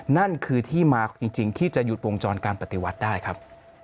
นั่นคือที่มาจริงที่จะหยุดวงจรการปฏิวัติได้ครับ